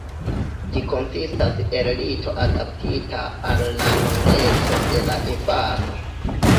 Ĝi konsistas el lito adaptita al la longeco de la infano.